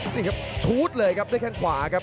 นี่ครับชูดเลยครับด้วยแข้งขวาครับ